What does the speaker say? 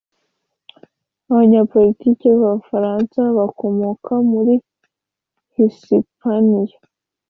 abanyepolitiki b'abafaransa bakomoka muri hisipaniya,